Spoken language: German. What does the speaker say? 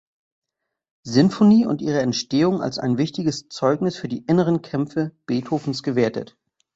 Sinfonie und ihre Entstehung als ein wichtiges Zeugnis für die inneren Kämpfe Beethovens gewertet.